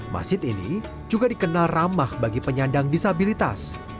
masjid ini juga dikenal ramah bagi penyandang disabilitas